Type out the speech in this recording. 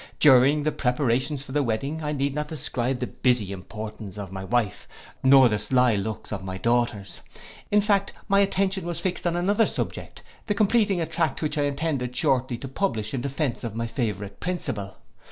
During the preparations for the wedding, I need not describe the busy importance of my wife, nor the sly looks of my daughters: in fact, my attention was fixed on another object, the completing a tract which I intended shortly to publish in defence of my favourite principle.